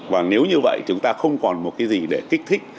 và nếu như vậy chúng ta không còn một cái gì để kích thích